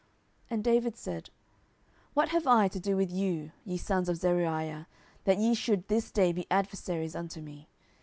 10:019:022 And David said, What have I to do with you, ye sons of Zeruiah, that ye should this day be adversaries unto me?